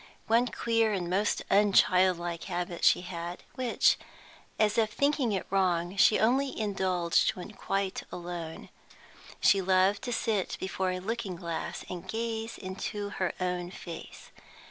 One queer and most unchildlike habit she had, which, as if thinking it wrong, she only indulged when quite alone; she loved to sit before a looking glass and gaze into her own face.